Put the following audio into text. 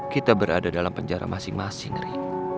kita berada dalam penjara masing masing ri